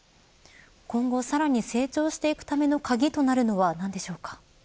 今後さらに成長していくための鍵となるのは何でしょうか。